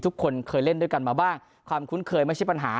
ทุกคนเคยเล่นด้วยกันมาบ้างความคุ้นเคยไม่ใช่ปัญหา